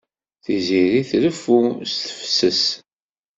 Tiziri treffu s tefses.